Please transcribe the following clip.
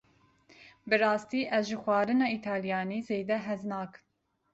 Bi rastî ez ji xwarina Îtalyanî zêde hez nakim.